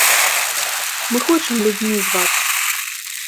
Мы хочам людзьмі звацца!